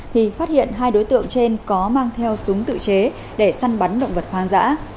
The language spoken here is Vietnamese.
thì phát hiện hai đối tượng trên có mang theo súng tự chế để săn bắn động vật hoang dã